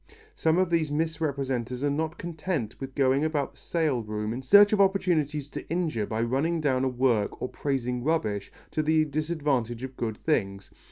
Some of these misrepresenters are not content with going about the sale room in search of opportunities to injure by running down a work or praising rubbish to the disadvantage of good things.